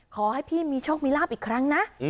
ขอให้พี่มีโชคมีลาบอีกครั้งนะ